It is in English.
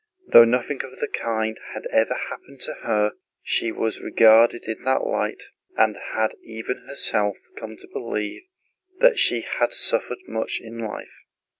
Though nothing of the kind had happened to her she was regarded in that light, and had even herself come to believe that she had suffered much in life.